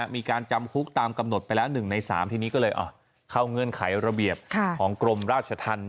มีการจำคุกตามกำหนดไปแล้ว๑ใน๓ทีนี้ก็เลยเข้าเงื่อนไขระเบียบของกรมราชธรรม